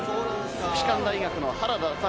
国士舘大学の原田拓。